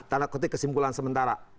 tanda ketik kesimpulan sementara